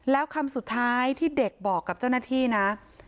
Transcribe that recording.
แล้วคำสุดท้ายที่เด็กบอกกับเจ้าหน้าที่นะ